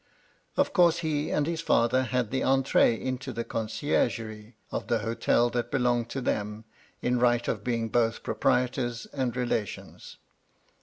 Of course, he and his father had the entree into the conciergerie of the hotel that belonged to them, in right of being both proprietors and relations.